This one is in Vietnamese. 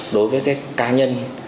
đối với các cá nhân